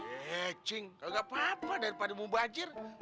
eh cing gak apa apa daripada mau bajir